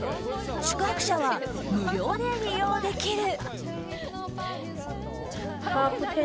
宿泊者は無料で利用できる。